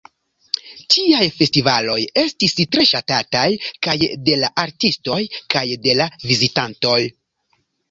Tiaj festivaloj estis tre ŝatataj kaj de la artistoj kaj de la vizitantoj.